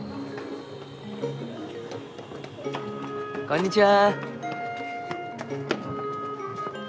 こんにちは。